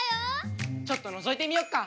ちょっとのぞいてみよっか！